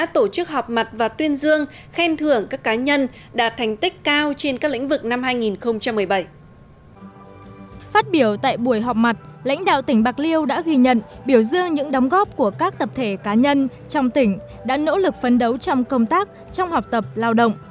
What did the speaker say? phát biểu tại buổi họp mặt lãnh đạo tỉnh bạc liêu đã ghi nhận biểu dương những đóng góp của các tập thể cá nhân trong tỉnh đã nỗ lực phấn đấu trong công tác trong học tập lao động